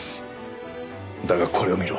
だがこれを見ろ。